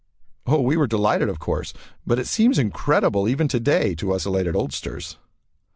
Oh, we're delighted of course, but it seems incredible even today to us elated oldsters.